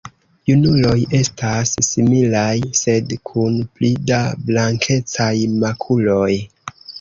Junuloj estas similaj sed kun pli da blankecaj makuloj.